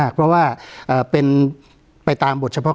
การแสดงความคิดเห็น